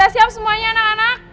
udah pada siap semuanya anak anak